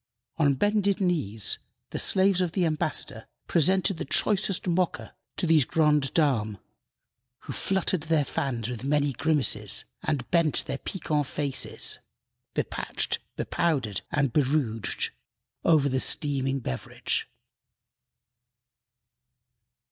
On bended knees the slaves of the ambassador presented the choicest Mocha to these grande dames, who fluttered their fans with many grimaces and bent their piquant faces bepatched, bepowdered, and berouged over the steaming beverage.